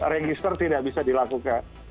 register tidak bisa dilakukan